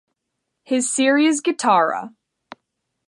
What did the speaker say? His series Guitarra!